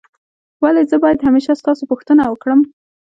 ولي زه باید همېشه ستاسو پوښتنه وکړم؟